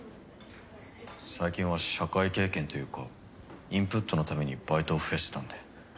最近は社会経験というかインプットのためにバイトを増やしてたんで。